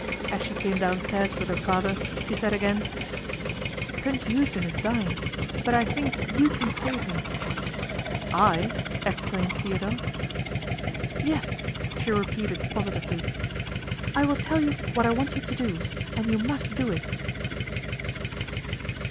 As she came downstairs with her father she said again, 'Prince Eugen is dying but I think you can save him.' 'I?' exclaimed Theodore. 'Yes,' she repeated positively. 'I will tell you what I want you to do, and you must do it.